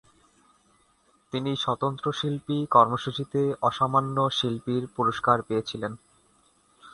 তিনি স্বতন্ত্র শিল্পী কর্মসূচিতে অসামান্য শিল্পীর পুরস্কার পেয়ে ছিলেন।